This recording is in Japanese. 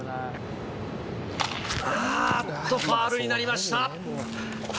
あーっとファウルになりました。